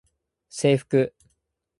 制服